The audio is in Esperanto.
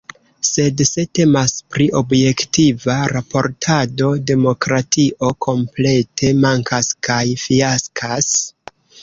Sed se temas pri objektiva raportado, demokratio komplete mankas kaj fiaskas.